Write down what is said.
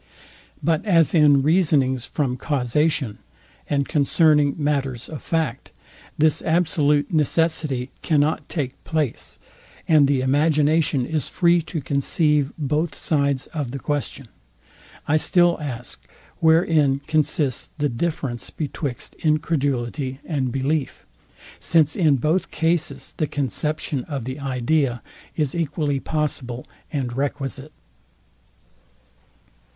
But as in reasonings from causation, and concerning matters of fact, this absolute necessity cannot take place, and the imagination is free to conceive both sides of the question, I still ask, Wherein consists the deference betwixt incredulity and belief? since in both cases the conception of the idea is equally possible and requisite.